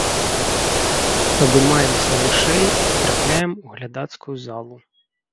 Падымаемся вышэй, і трапляем у глядацкую залу.